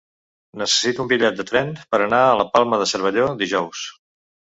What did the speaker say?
Necessito un bitllet de tren per anar a la Palma de Cervelló dijous.